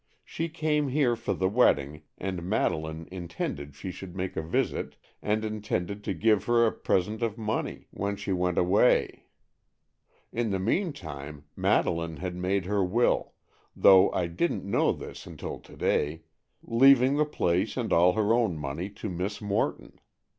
She came here for the wedding, and Madeleine intended she should make a visit, and intended to give her a present of money when she went away. In the meantime Madeleine had made her will, though I didn't know this until to day, leaving the place and all her own money to Miss Morton.